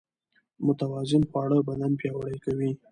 متوازن خواړه بدن پياوړی کوي.